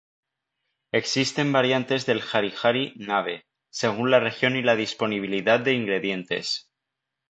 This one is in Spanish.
Existen variantes del "harihari-nabe" según la región y la disponibilidad de ingredientes.